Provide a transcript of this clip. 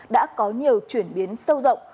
đã có nhiều chuyển biến sâu rộng